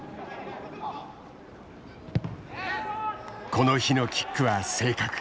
この日のキックは正確。